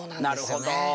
なるほど。